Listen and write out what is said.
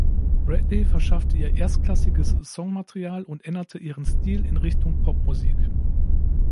Bradley verschaffte ihr erstklassiges Songmaterial und änderte ihren Stil in Richtung Popmusik.